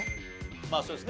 まあそうですね。